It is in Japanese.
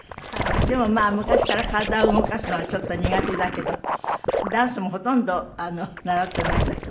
でもまあ昔から体を動かすのはちょっと苦手だけどダンスもほとんど習ってないんだって？